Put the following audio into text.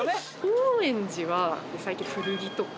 高円寺は最近古着とか。